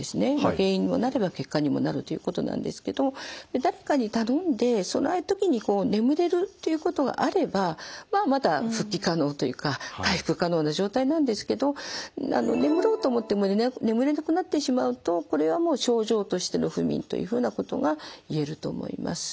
原因にもなれば結果にもなるということなんですけども誰かに頼んでその間に眠れるっていうことがあればまあまだ復帰可能というか回復可能な状態なんですけど眠ろうと思っても眠れなくなってしまうとこれはもう症状としての不眠というふうなことが言えると思います。